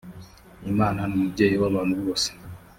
imana numubyeyi wabantu bose.